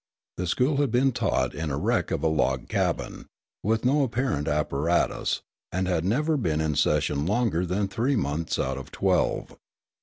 The school had been taught in a wreck of a log cabin, with no apparatus, and had never been in session longer than three months out of twelve.